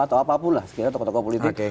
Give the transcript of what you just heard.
atau apapun lah sekiranya tokoh tokoh politik